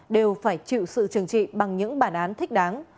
đều phải chịu sự trừng trị bằng những bản án thích đáng